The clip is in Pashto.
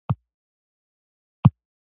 تور ټیکری یا تور خال د نظر مخه نیسي.